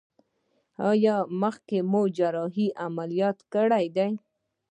ایا مخکې مو جراحي عملیات کړی دی؟